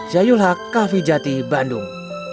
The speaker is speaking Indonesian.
zayul haq kaffi jati bandung